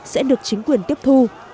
sẽ được chính quyền tiếp thu